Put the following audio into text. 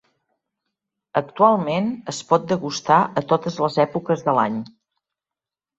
Actualment es pot degustar a totes les èpoques de l'any.